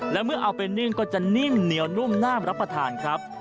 และเมื่อเอาไปนึ่งก็จะนิ่มเหนียวนุ่มน่ารับประทานครับ